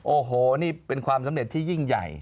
โอ้โหนี่เป็นความสำเร็จที่ยิ่งใหญ่